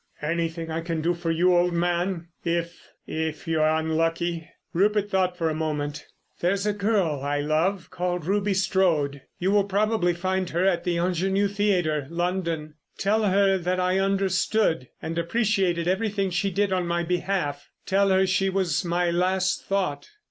"Anything I can do for you, old man, if—if you're unlucky?" Rupert thought for a moment. "There is a girl I love called Ruby Strode. You will probably find her at the Ingenue Theatre, London. Tell her that I understood and appreciated everything she did on my behalf—tell her she was my last thought."